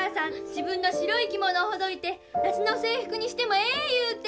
自分の白い着物をほどいて夏の制服にしてもええ言うて！